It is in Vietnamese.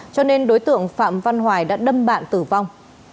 cho nên đối tượng phạm văn hoài đã đâm bạn tử vong